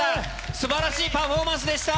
すばらしいパフォーマンスでした。